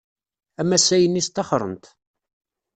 Amasay-nni sṭaxren-t.